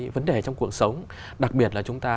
vấn đề trong cuộc sống đặc biệt là chúng ta